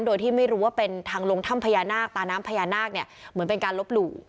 โดยที่ไม่รู้ว่าเป็นทางลงถ้ำพญานาคตาน้ำพญานาคเนี่ยเหมือนเป็นการลบหลู่